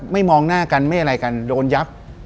มองหน้ากันไม่อะไรกันโดนยับ